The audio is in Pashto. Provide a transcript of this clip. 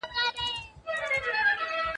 که سلیمې ته په بل نوم غږ وسي، طلاق واقع دی؟